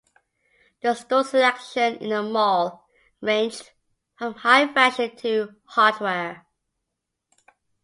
The store selection in the mall ranged from high fashion to hardware.